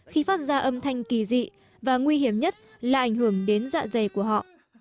khi phát ra âm thanh kỳ dị và nguy hiểm nhất là ảnh hưởng đến dạ dày của họ